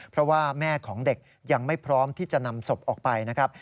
เพราะว่าแม่ของเด็กยังไม่พร้อมที่จะนำศพออกไปนะครับ